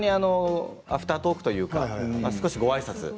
アフタートークというか少しごあいさつ。